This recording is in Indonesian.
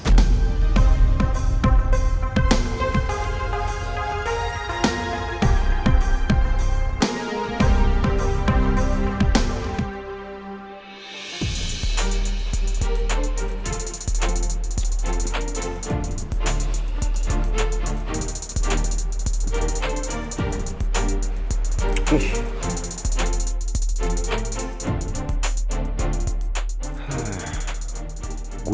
berikan syukur di gw